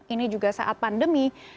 ini juga saat pandemi